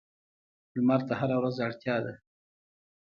لمر ته هره ورځ اړتیا ده.